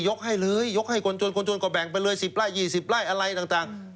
ยกให้เลยยกให้คนจนคนจนก็แบ่งไปเลยสิบร่ายยี่สิบร่ายอะไรต่างต่าง